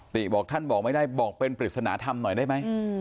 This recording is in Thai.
บอกท่านบอกไม่ได้บอกเป็นปริศนธรรมหน่อยได้ไหม